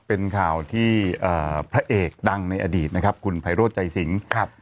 เป็นข่าวที่พระเอกดังในอดีตนะครับคุณไพโรธใจสิงครับ